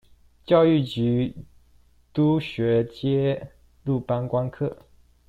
教育局督學皆入班觀課